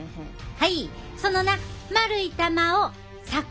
はい。